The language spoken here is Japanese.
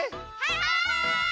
はい！